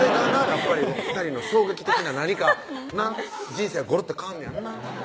やっぱり２人の衝撃的な何かな人生ごろって変わんねやんな